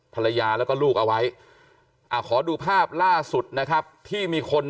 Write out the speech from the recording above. ภรรยาแล้วก็ลูกเอาไว้ขอดูภาพล่าสุดนะครับที่มีคน